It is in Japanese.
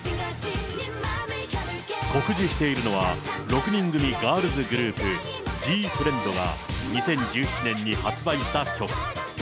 酷似しているのは、６人組ガールズグループ、ＧＦＲＩＥＮＤが２０１７年に発売した曲。